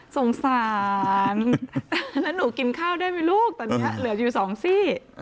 สงสารแล้วหนูกินข้าวได้ไหมลูกตอนนี้เหลืออยู่สองซี่